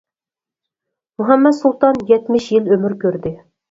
مۇھەممەت سۇلتان يەتمىش يىل ئۆمۈر كۆردى.